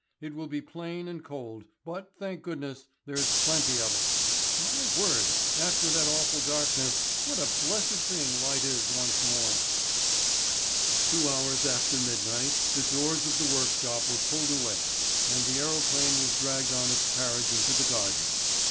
It will be plain and cold; but, thank goodness, there is plenty of it. My word, after that awful darkness what a blessed thing light is once more!" Two hours after midnight the doors of the workshop were pulled away and the aerophane was dragged on its carriage into the garden.